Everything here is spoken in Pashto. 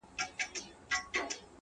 سیاه پوسي ده؛ ژوند تفسیرېږي؛